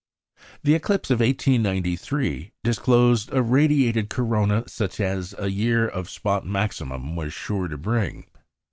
The eclipse of 1893 disclosed a radiated corona such as a year of spot maximum was sure to bring.